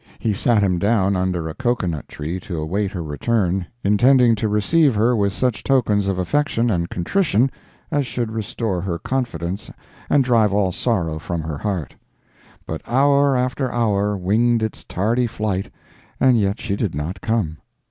He sat him down under a cocoa nut tree to await her return, intending to receive her with such tokens of affection and contrition as should restore her confidence and drive all sorrow from her heart. But hour after hour winged its tardy flight and yet she did not come.